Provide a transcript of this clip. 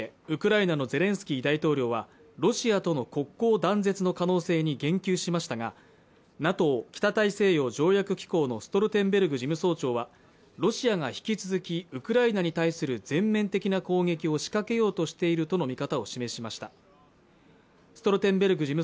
ウクライナのゼレンスキー大統領はロシアとの国交断絶の可能性に言及しましたがＮＡＴＯ＝北大西洋条約機構のストルテンベルグ事務総長はロシアが引き続きウクライナに対する全面的な攻撃を仕掛けようとしているとの見方を示しましたストルテンベルグ